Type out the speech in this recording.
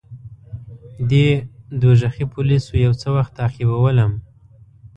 دې دوږخي پولیسو یو څه وخت تعقیبولم.